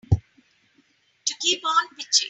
To keep on pitching.